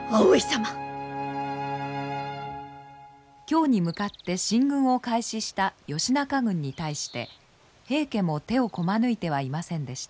京に向かって進軍を開始した義仲軍に対して平家も手をこまぬいてはいませんでした。